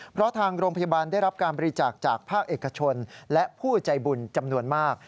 เพราะทางโรงพยาบาลได้รับการบริจาคจากภาคเอกชนและผู้ใจบุญจำนวนมาก